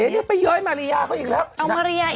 เอ๊นี่ไปย้อยมาริยาเขาอีกแล้ว